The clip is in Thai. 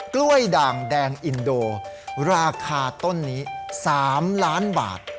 กล้วยด่างแดงอินโดราคาต้นนี้๓ล้านบาท